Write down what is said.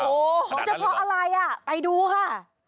โอ้โหเฉพาะอะไรอ่ะไปดูค่ะ